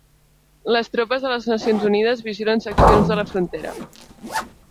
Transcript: Les tropes de les Nacions Unides vigilen seccions de la frontera.